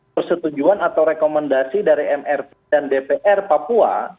persetujuan atau rekomendasi dari mrp dan dpr papua